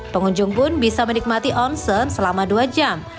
pengunjung pun bisa menikmati onsen selama dua jam